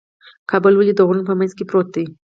کابل ولې د غرونو په منځ کې پروت دی؟